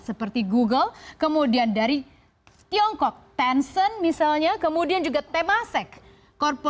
seperti google kemudian dari tiongkok tencent misalnya kemudian juga temasek